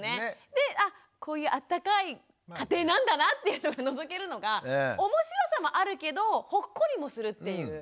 でこういうあったかい家庭なんだなっていうのがのぞけるのがおもしろさもあるけどほっこりもするっていう。